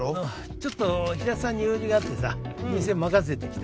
ちょっと平田さんに用事があって店任せて来た